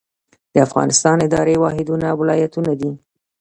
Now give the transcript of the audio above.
د افغانستان اداري واحدونه ولایتونه دي